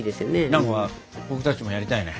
何か僕たちもやりたいね。